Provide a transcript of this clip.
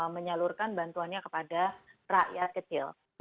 menyalurkan bantuannya kepada rakyat kecil